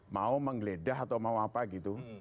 mau menggeledah atau mau apa gitu